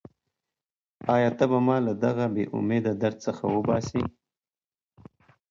ایا ته به ما له دغه بېامیده درد څخه وباسې؟